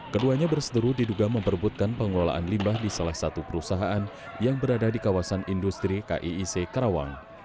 keduanya bersederu diduga memperbutkan pengelolaan limbah di salah satu perusahaan yang berada di kawasan industri kiic karawang